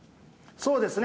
そうですね。